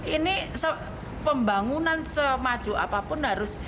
ini pembangunan semaju apapun harus